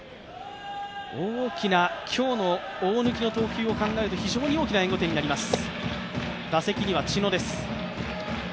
今日の大貫の投球を考えると非常に大きな援護点になります。